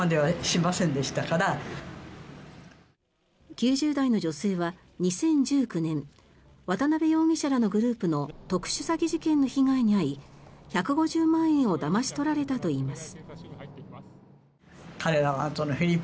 ９０代の女性は２０１９年渡邉容疑者らのグループの特殊詐欺事件の被害に遭い１５０万円をだまし取られたといいます。